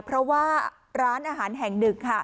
เพราะว่าร้านอาหารแห่งหนึ่งค่ะ